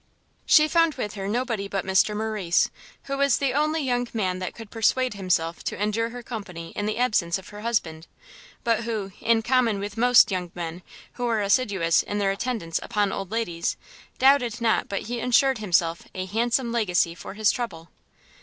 She found with her nobody but Mr Morrice, who was the only young man that could persuade himself to endure her company in the absence of her husband, but who, in common with most young men who are assiduous in their attendance upon old ladies, doubted not but he ensured himself a handsome legacy for his trouble.